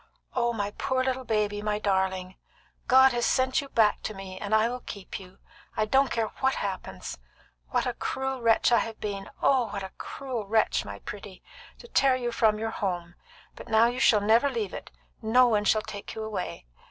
Oh, my poor little baby! my darling! God has sent you back to me, and I will keep you, I don't care what happens! What a cruel wretch I have been oh, what a cruel wretch, my pretty! to tear you from your home! But now you shall never leave it; no one shall take you away."